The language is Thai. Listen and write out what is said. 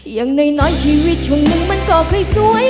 อย่างในน้อยชีวิตช่วงนึงมันก็เคยสวย